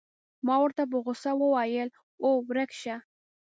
ما ورته په غوسه وویل: اوه، ورک شه.